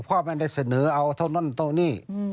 พ่อไม่ได้เสนอเอาเท่านั้นเท่านี้